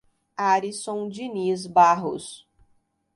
Arisson Diniz Barros